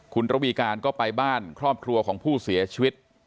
คุณระวีการก็ไปบ้านครอบครัวของผู้เสียชีวิต